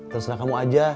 terserah kamu aja